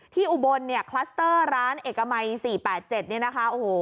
ที่อุบลคลัสเตอร์ร้านเอกมัย๔๘๗นี่นะคะ